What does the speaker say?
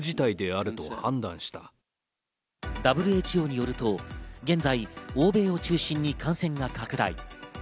ＷＨＯによると現在、欧米を中心に感染が拡大。